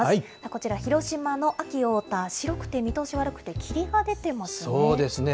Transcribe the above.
こちら、広島の安芸太田、白くて見通し悪くて霧が出ていますね。